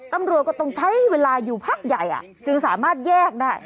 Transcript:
ตำรวจก็ต้องใช้เวลาอยู่พักใหญ่จึงสามารถแยกได้